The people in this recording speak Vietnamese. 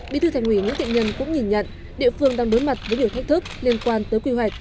bí thư thành ủy nguyễn thiện nhân cũng nhìn nhận địa phương đang đối mặt với nhiều thách thức liên quan tới quy hoạch